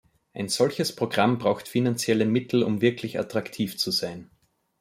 Ein solches Programm braucht finanzielle Mittel, um wirklich attraktiv zu sein.